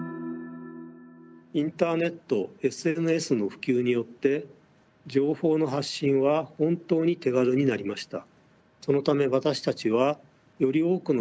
インターネットＳＮＳの普及によって情報の発信は本当に手軽になりました。